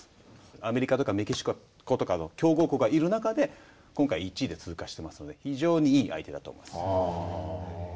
アメリカとかメキシコとかの強豪国がいる中で今回１位で通過していますので非常にいい相手だと思います。